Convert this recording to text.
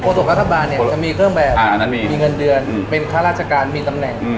ตกรัฐบาลเนี่ยจะมีเครื่องแบบมีเงินเดือนเป็นข้าราชการมีตำแหน่ง